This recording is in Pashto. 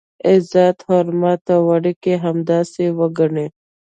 عزت، حرمت او اړیکي همداسې وګڼئ.